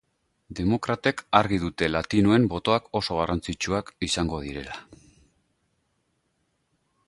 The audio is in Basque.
Demokratek argi dute latinoen botoak oso garrantzitsuak izango direla.